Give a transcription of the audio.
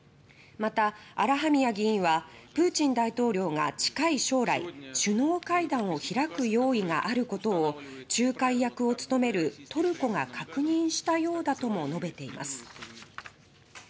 また、アラハミア議員はプーチン大統領が近い将来首脳会談を開く用意があることを仲介役を務めるトルコが確認したようだとも述べています